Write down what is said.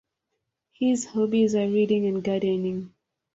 His hobbies are reading and gardening.